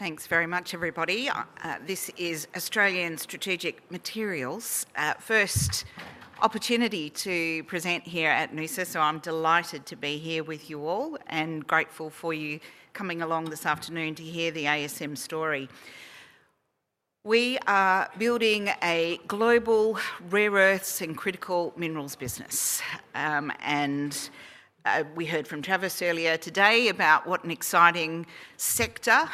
Thanks very much, everybody. This is Australian Strategic Materials, first opportunity to present here at Noosa. I am delighted to be here with you all and grateful for you coming along this afternoon to hear the ASM story. We are building a global rare earths and critical minerals business. We heard from Travis earlier today about what an exciting sector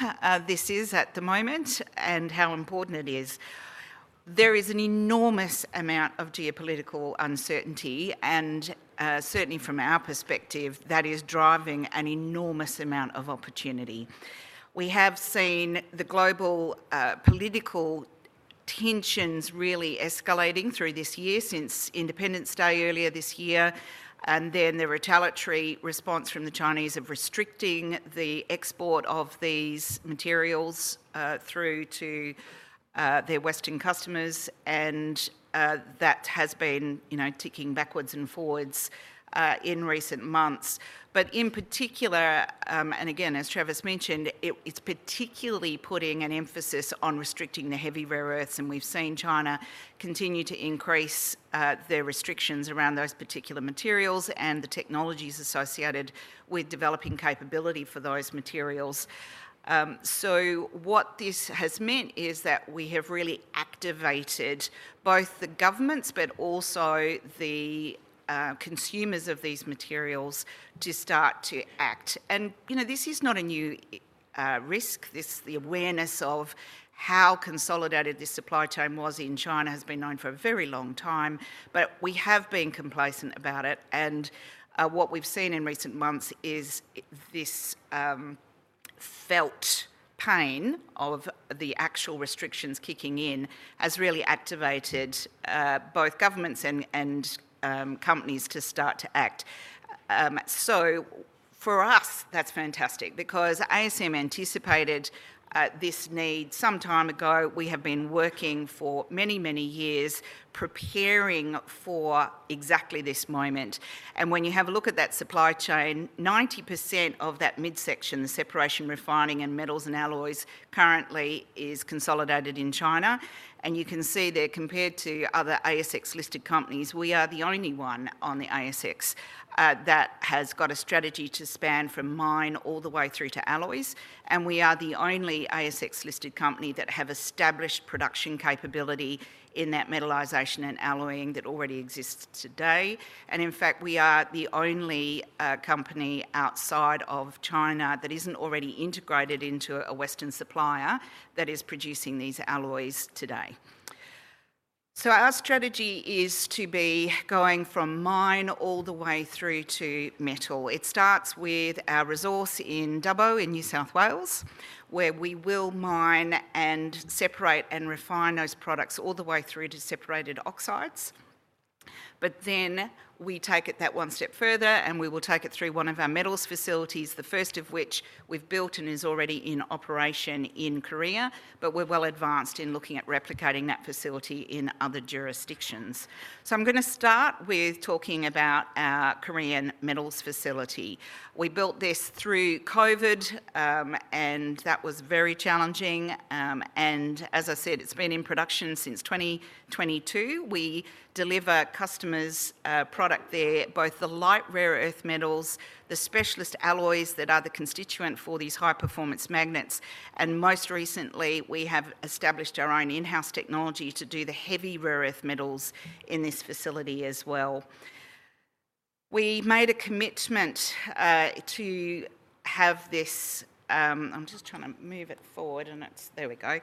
this is at the moment and how important it is. There is an enormous amount of geopolitical uncertainty, and certainly from our perspective, that is driving an enormous amount of opportunity. We have seen the global political tensions really escalating through this year since Independence Day earlier this year. The retaliatory response from the Chinese of restricting the export of these materials through to their Western customers has been ticking backwards and forwards in recent months. In particular, and again, as Travis mentioned, it is particularly putting an emphasis on restricting the heavy rare earths. We have seen China continue to increase their restrictions around those particular materials and the technologies associated with developing capability for those materials. What this has meant is that we have really activated both the governments, but also the consumers of these materials to start to act. This is not a new risk. The awareness of how consolidated this supply chain was in China has been known for a very long time, but we have been complacent about it. What we have seen in recent months is this felt pain of the actual restrictions kicking in has really activated both governments and companies to start to act. For us, that is fantastic because ASM anticipated this need some time ago. We have been working for many, many years preparing for exactly this moment. When you have a look at that supply chain, 90% of that midsection, the separation, refining, and metals and alloys currently is consolidated in China. You can see that compared to other ASX-listed companies, we are the only one on the ASX that has got a strategy to span from mine all the way through to alloys. We are the only ASX-listed company that has established production capability in that metalization and alloying that already exists today. In fact, we are the only company outside of China that is not already integrated into a Western supplier that is producing these alloys today. Our strategy is to be going from mine all the way through to metal. It starts with our resource in Dubbo in New South Wales, where we will mine and separate and refine those products all the way through to separated oxides. We take it that one step further, and we will take it through one of our metals facilities, the first of which we have built and is already in operation in Korea. We are well advanced in looking at replicating that facility in other jurisdictions. I am going to start with talking about our Korean metals facility. We built this through COVID, and that was very challenging. As I said, it has been in production since 2022. We deliver customers' product there, both the light rare earth metals, the specialist alloys that are the constituent for these high-performance magnets. Most recently, we have established our own in-house technology to do the heavy rare earth metals in this facility as well. We made a commitment to have this—I am just trying to move it forward, and there we go.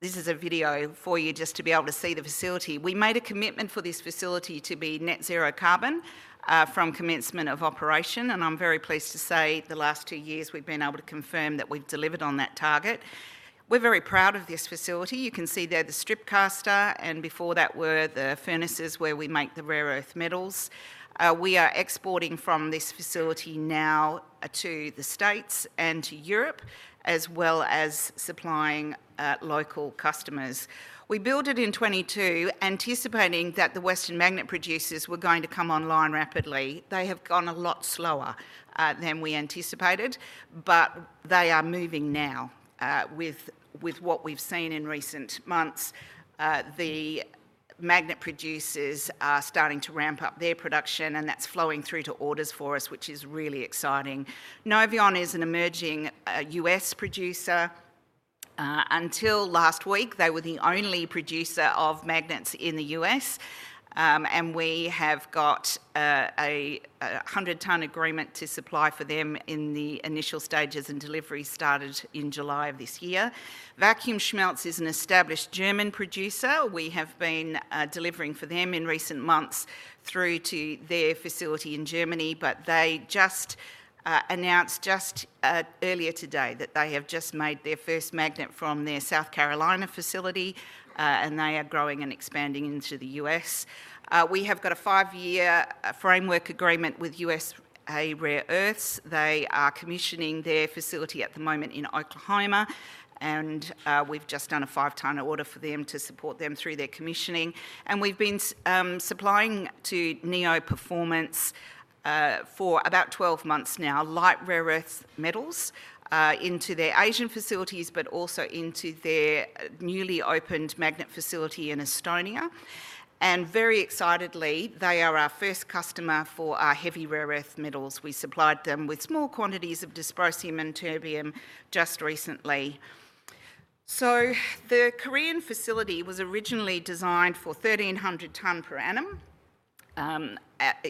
This is a video for you just to be able to see the facility. We made a commitment for this facility to be net zero carbon from commencement of operation. I am very pleased to say the last two years we have been able to confirm that we have delivered on that target. We are very proud of this facility. You can see there the strip caster, and before that were the furnaces where we make the rare earth metals. We are exporting from this facility now to the States and to Europe, as well as supplying local customers. We built it in 2022, anticipating that the Western magnet producers were going to come online rapidly. They have gone a lot slower than we anticipated, but they are moving now. With what we've seen in recent months, the magnet producers are starting to ramp up their production, and that's flowing through to orders for us, which is really exciting. Noveon is an emerging U.S. producer. Until last week, they were the only producer of magnets in the U.S. We have got a 100-ton agreement to supply for them in the initial stages, and delivery started in July of this year. Vacuumschmelze is an established German producer. We have been delivering for them in recent months through to their facility in Germany. They just announced just earlier today that they have just made their first magnet from their South Carolina facility, and they are growing and expanding into the U.S. We have got a five-year framework agreement with USA Rare Earth. They are commissioning their facility at the moment in Oklahoma. We have just done a 5 ton order for them to support them through their commissioning. We have been supplying to Neo Performance for about 12 months now light rare earth metals into their Asian facilities, but also into their newly opened magnet facility in Estonia. Very excitedly, they are our first customer for our heavy rare earth metals. We supplied them with small quantities of dysprosium and terbium just recently. The Korean facility was originally designed for 1,300 tonnes per annum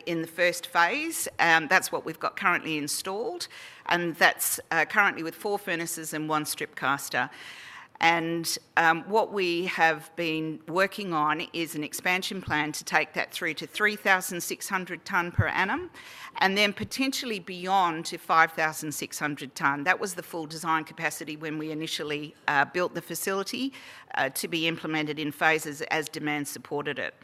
in the first phase. That is what we have currently installed. That is currently with four furnaces and one strip caster. What we have been working on is an expansion plan to take that through to 3,600 tonnes per annum, and then potentially beyond to 5,600 tonnes. That was the full design capacity when we initially built the facility to be implemented in phases as demand supported it.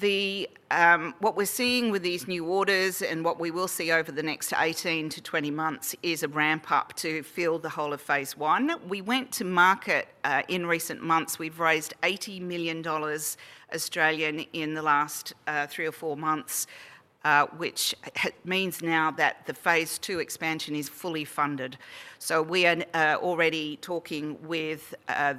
What we're seeing with these new orders and what we will see over the next 18 months-20 months is a ramp-up to fill the whole of phase one. We went to market in recent months. We've raised 80 million Australian dollars in the last three or four months, which means now that the phase II expansion is fully funded. We are already talking with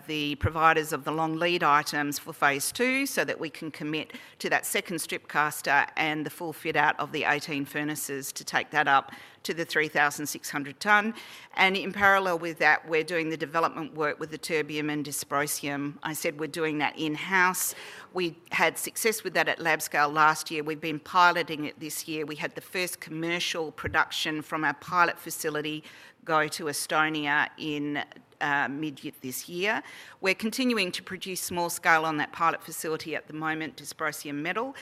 the providers of the long lead items for phase II so that we can commit to that second strip caster and the full fit out of the 18 furnaces to take that up to the 3,600 tonnes. In parallel with that, we're doing the development work with the terbium and dysprosium. I said we're doing that in-house. We had success with that at lab scale last year. We've been piloting it this year. We had the first commercial production from our pilot facility go to Estonia in mid this year. We're continuing to produce small scale on that pilot facility at the moment, dysprosium metal.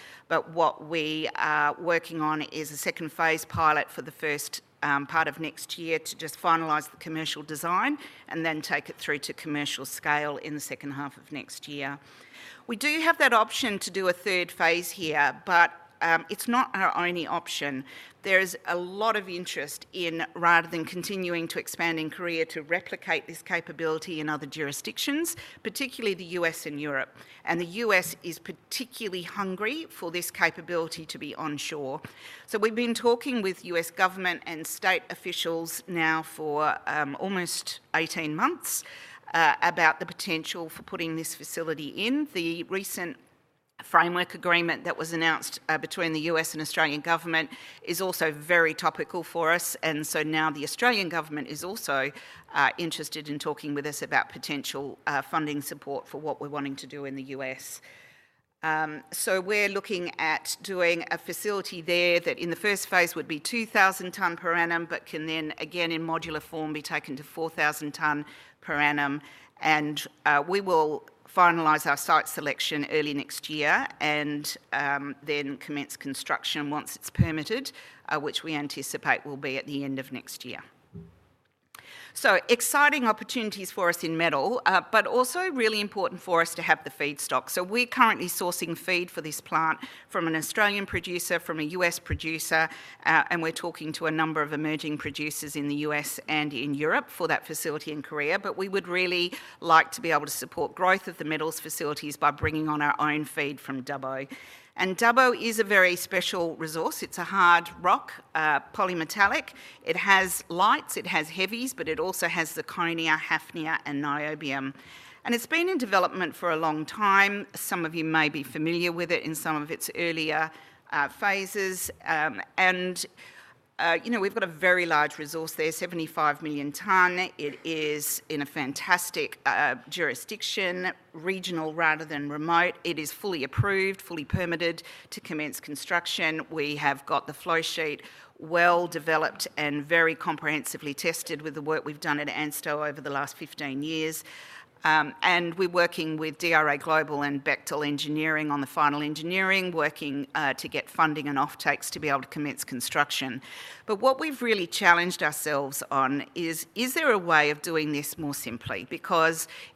What we are working on is a second phase pilot for the first part of next year to just finalize the commercial design and then take it through to commercial scale in the second half of next year. We do have that option to do a third phase here, but it's not our only option. There is a lot of interest in, rather than continuing to expand in Korea, to replicate this capability in other jurisdictions, particularly the U.S. and Europe. The U.S. is particularly hungry for this capability to be onshore. We have been talking with U.S. government and state officials now for almost 18 months about the potential for putting this facility in. The recent framework agreement that was announced between the U.S. and Australian government is also very topical for us. Now the Australian government is also interested in talking with us about potential funding support for what we are wanting to do in the U.S. We are looking at doing a facility there that in the first phase would be 2,000 tonnes per annum, but can then again in modular form be taken to 4,000 tonnes per annum. We will finalize our site selection early next year and then commence construction once it is permitted, which we anticipate will be at the end of next year. Exciting opportunities for us in metal, but also really important for us to have the feedstock. We're currently sourcing feed for this plant from an Australian producer, from a U.S. producer. We're talking to a number of emerging producers in the U.S. and in Europe for that facility in Korea. We would really like to be able to support growth of the metals facilities by bringing on our own feed from Dubbo. Dubbo is a very special resource. It's a hard rock, polymetallic. It has lights, it has heavies, but it also has zirconium, hafnium, and niobium. It's been in development for a long time. Some of you may be familiar with it in some of its earlier phases. We've got a very large resource there, 75 million tonnes. It is in a fantastic jurisdiction, regional rather than remote. It is fully approved, fully permitted to commence construction. We have got the flow sheet well developed and very comprehensively tested with the work we've done at ANSTO over the last 15 years. We are working with DRA Global and Bechtel Engineering on the final engineering, working to get funding and off-takes to be able to commence construction. What we've really challenged ourselves on is, is there a way of doing this more simply?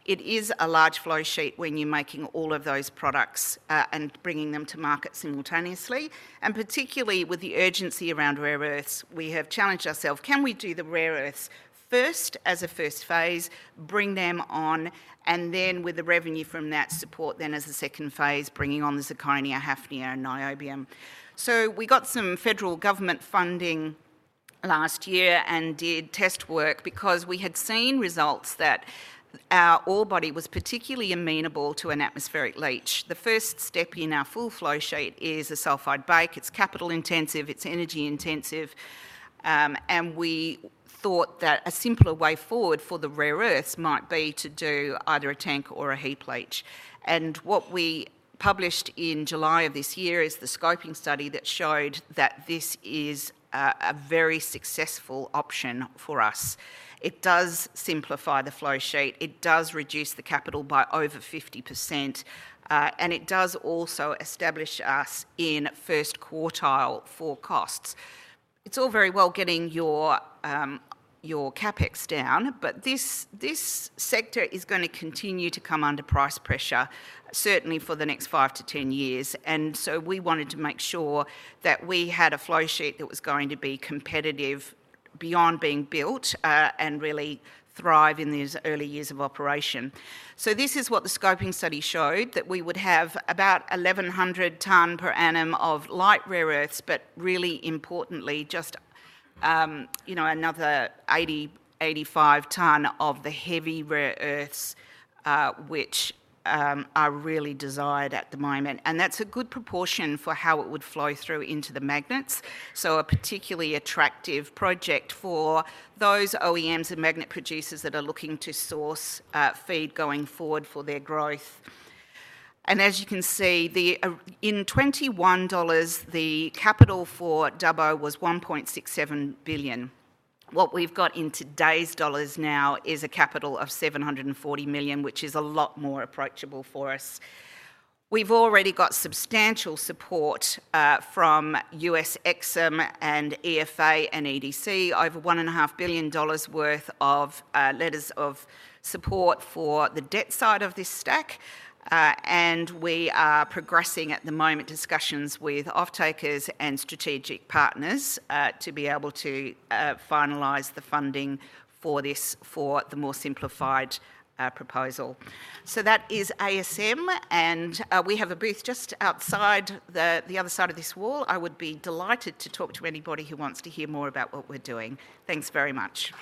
It is a large flow sheet when you're making all of those products and bringing them to market simultaneously. Particularly with the urgency around rare earths, we have challenged ourselves, can we do the rare earths first as a first phase, bring them on, and then with the revenue from that support, then as a second phase, bringing on the zirconium, hafnium, and niobium? We got some federal government funding last year and did test work because we had seen results that our ore body was particularly amenable to an atmospheric leach. The first step in our full flow sheet is a sulfide bake. It is capital intensive, it is energy intensive. We thought that a simpler way forward for the rare earths might be to do either a tank or a heap leach. What we published in July of this year is the scoping study that showed that this is a very successful option for us. It does simplify the flow sheet. It does reduce the capital by over 50%. It does also establish us in first quartile for costs. It is all very well getting your CapEx down, but this sector is going to continue to come under price pressure, certainly for the next five to 10 years. We wanted to make sure that we had a flow sheet that was going to be competitive beyond being built and really thrive in these early years of operation. This is what the scoping study showed, that we would have about 1,100 tonnes per annum of light rare earths, but really importantly, just another 80 tonnes-85 tonnes of the heavy rare earths, which are really desired at the moment. That is a good proportion for how it would flow through into the magnets. A particularly attractive project for those OEMs and magnet producers that are looking to source feed going forward for their growth. As you can see, in 2021, the capital for Dubbo was 1.67 billion. What we have in today's dollars now is a capital of 740 million, which is a lot more approachable for us. have already got substantial support from US EXIM and EFA and EDC, over 1.5 billion dollars worth of letters of support for the debt side of this stack. We are progressing at the moment discussions with off-takers and strategic partners to be able to finalize the funding for this for the more simplified proposal. That is ASM. We have a booth just outside the other side of this wall. I would be delighted to talk to anybody who wants to hear more about what we are doing. Thanks very much.